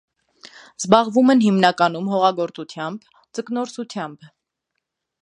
Զբաղվում են հիմնականում հողագործությամբ, ձկնորսությամբ։